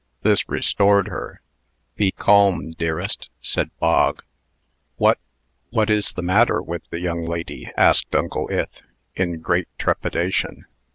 This restored her. "Be calm, dearest," said Bog. "What what is the matter with the young lady?" asked Uncle Ith, in great trepidation.